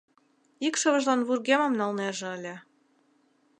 Икшывыжлан вургемым налнеже ыле.